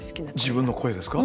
自分の声ですか？